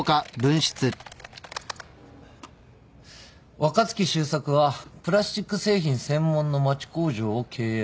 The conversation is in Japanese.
若槻周作はプラスチック製品専門の町工場を経営。